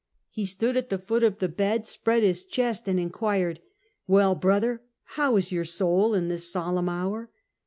He stood at the foot foot of the bed, spread his chest, and inquired: " Well, brother, how is your soul in this solemn hour